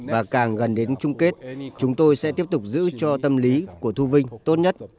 và càng gần đến trung kết chúng tôi sẽ tiếp tục giữ cho tâm lý của thu vinh tốt nhất